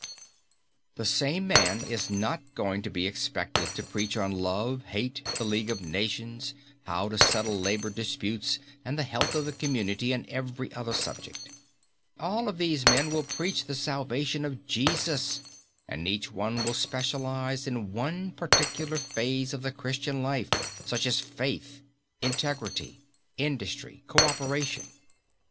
The same man is not going to be expected to preach on Love, Hate, the League of Nations, How to Settle Labour Disputes and the Health of the Community and every other subject. All of these men will preach the salvation of Jesus, but each one will specialize in one particular phase of the Christian life, such as Faith, Integrity, Industry, Coöperation.